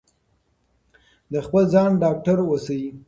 د خپل ځان ډاکټر اوسئ.